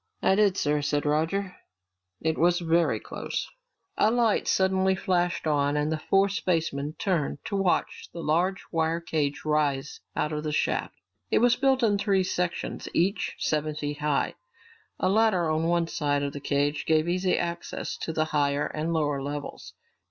"I did, sir," said Roger. "It was very close." A light suddenly flashed on and the four spacemen turned to watch a large wire cage rise out of the shaft. It was built in three sections, each seven feet high. A ladder on one side of the cage gave easy access to the higher and lower levels.